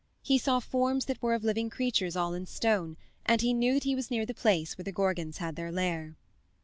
He saw forms that were of living creatures all in stone, and he knew that he was near the place where the Gorgons had their lair.